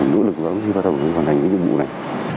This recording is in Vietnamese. nữ lực lắm khi bắt đầu hoàn thành cái nhiệm vụ này